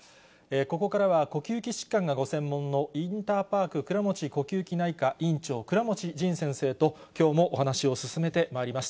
ここからは呼吸器疾患がご専門のインターパーク倉持呼吸器内科院長、倉持仁先生ときょうもお話を進めてまいります。